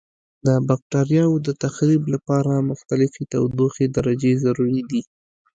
د بکټریاوو د تخریب لپاره مختلفې تودوخې درجې ضروري دي.